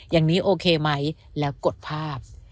อย่างนี้โอเคไหมแล้วกดภาพ